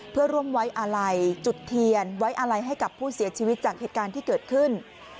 เพื่อร่วมไว้อาลัยจุดเทียนไว้อะไรให้กับผู้เสียชีวิตจากเหตุการณ์ที่เกิดขึ้น